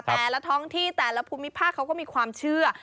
แต่ละท้องที่แต่ละภูมิภาคเขาก็มีความเชื่อ